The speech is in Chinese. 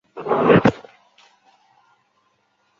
单曲封面登场的成员名单如下表所示。